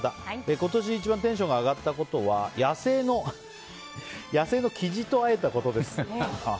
今年一番テンションが上がったことは野生のキジと会えたことです。